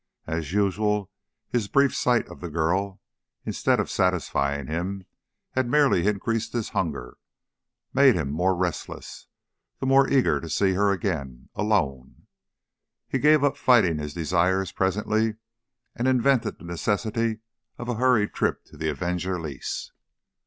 As usual, his brief sight of the girl, instead of satisfying him, had merely increased his hunger; made him the more restless, the more eager to see her again alone. He gave up fighting his desires, presently, and invented the necessity of a hurried trip to the Avenger lease.